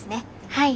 はい。